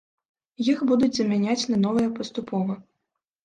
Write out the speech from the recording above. Іх будуць замяняць на новыя паступова.